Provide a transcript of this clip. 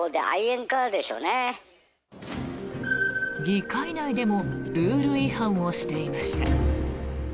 議会内でもルール違反をしていました。